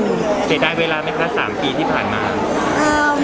เสียดายเวลาไหมคะ๓ปีที่ผ่านมา